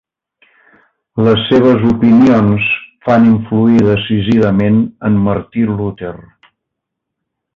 Les seves opinions fan influir decisivament en Martí Luter.